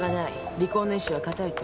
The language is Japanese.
離婚の意思は固いと？